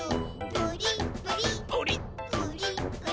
「プリップリッ」プリッ！